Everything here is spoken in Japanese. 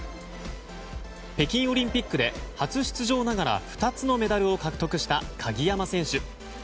北京オリンピックで初出場ながら２つのメダルを獲得した鍵山選手。